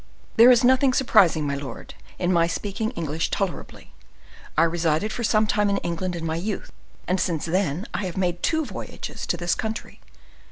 "There is nothing surprising, my lord, in my speaking English tolerably; I resided for some time in England in my youth, and since then I have made two voyages to this country."